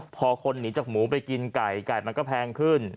พอคนหนีจากหมูไปกินไก่ไก่มันก็แพงขึ้น